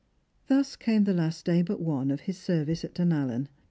Thus came the last day but one of his service at Dunallen.